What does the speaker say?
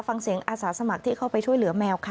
ฟังเสียงอาสาสมัครที่เข้าไปช่วยเหลือแมวค่ะ